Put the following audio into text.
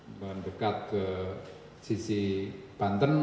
mendekat ke sisi banten